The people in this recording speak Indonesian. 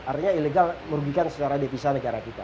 artinya ilegal merugikan secara devisa negara kita